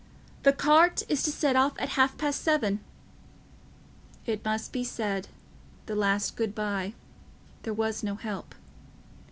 "The cart is to set off at half past seven." It must be said—the last good bye: there was no help.